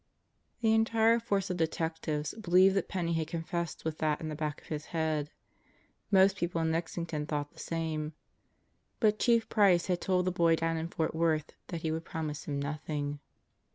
The entire force of Detectives believed that Penney had confessed with that in the back of his head. Most people in Lexington thought the same. But Chief Price had told the boy down in Fort Worth that he would promise him nothing.